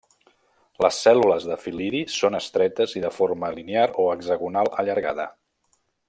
Les cèl·lules del fil·lidi són estretes i de forma linear o hexagonal allargada.